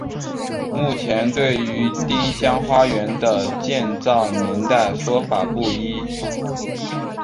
目前对于丁香花园的建造年代说法不一。